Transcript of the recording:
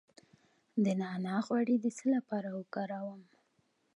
د نعناع غوړي د څه لپاره وکاروم؟